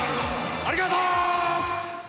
ありがとう！